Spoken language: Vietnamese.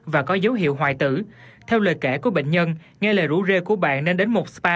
và có dấu hiệu hoại tử theo lời kể của bệnh nhân nghe lời rủ rê của bạn nên đến một spa